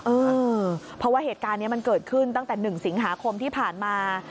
เออเพราะว่าเหตุการณ์นี้มันเกิดขึ้นตั้งแต่๑สิงหาคมที่ผ่านมา